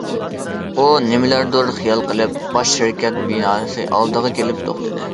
ئۇ نېمىلەرنىدۇر خىيال قىلىپ، باش شىركەت بىناسى ئالدىغا كېلىپ توختىدى.